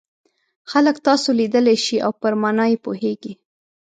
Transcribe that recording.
خلک تاسو لیدلای شي او پر مانا یې پوهیږي.